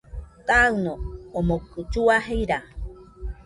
Taɨno omoɨko llua jira.